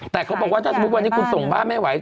แต่เขาบอกว่าถ้าสมมุติวันนี้คุณส่งบ้านไม่ไหว